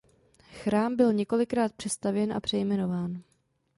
Chrám byl několikrát přestavěn a přejmenován.